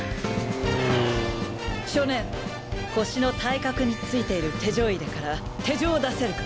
少年腰の帯革についている手錠入れから手錠を出せるか？